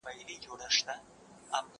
زه پرون اوبه پاکوم؟!